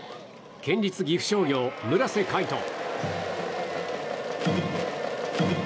県立岐阜商業、村瀬海斗。